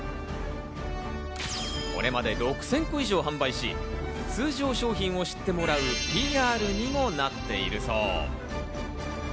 これまで６０００個以上販売し、通常商品を知ってもらうＰＲにもなっているそう。